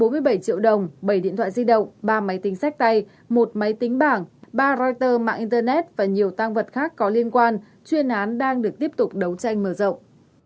bốn mươi bảy triệu đồng bảy điện thoại di động ba máy tính sách tay một máy tính bảng ba reuters mạng internet và nhiều tăng vật khác có liên quan chuyên án đang được tiếp tục đấu tranh mở rộng